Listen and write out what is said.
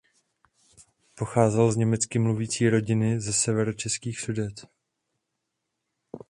Pocházel z německy mluvící rodiny ze severočeských Sudet.